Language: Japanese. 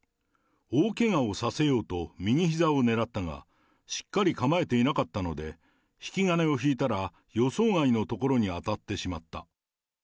大けがをさせようと右ひざを狙ったが、しっかり構えていなかったので、引き金を引いたら、予想外の所に当たってしまった。